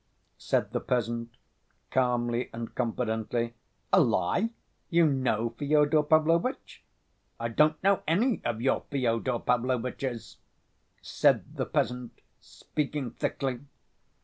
said the peasant, calmly and confidently. "A lie? You know Fyodor Pavlovitch?" "I don't know any of your Fyodor Pavlovitches," said the peasant, speaking thickly.